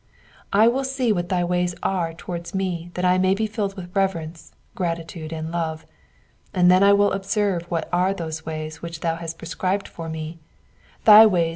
I will see what thy ways are towards mo that I may be filled with reverence, gratitude, and love ; and then I will observe what are those ways which thou hast prescribed for me, thy ways